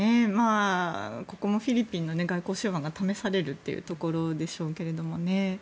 ここもフィリピンの外交手腕が試されるところでしょうけれどもね。